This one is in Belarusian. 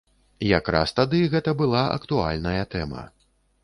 Якраз тады гэта была актуальная тэма.